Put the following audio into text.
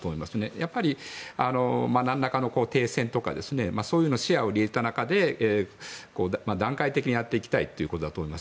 やっぱり何らかの停戦とかそういう視野を入れた中で段階的にやっていきたいということだと思います。